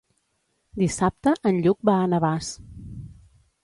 Dissabte en Lluc va a Navàs.